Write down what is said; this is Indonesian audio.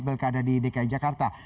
pilkada di dki jakarta